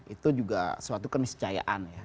itu juga suatu keniscayaan